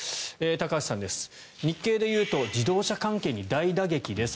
高橋さんです、日系で言うと自動車関係に大打撃です。